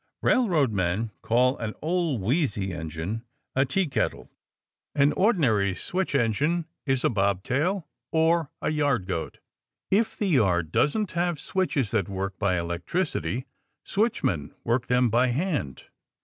Railroad men call an old wheezy engine a teakettle. An ordinary switch engine is a bobtail or a yard goat. If the yard doesn't have switches that work by electricity, switchmen work them by hand.